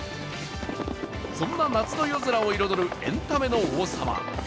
そんな夏の夜空を彩るエンタメの王様。